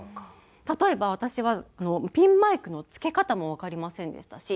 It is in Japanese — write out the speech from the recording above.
例えば私はピンマイクの着け方もわかりませんでしたし